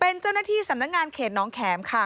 เป็นเจ้าหน้าที่สำนักงานเขตน้องแขมค่ะ